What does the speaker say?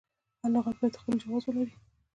هر لغت باید خپل جواز ولري.